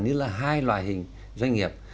tức là hai loại hình doanh nghiệp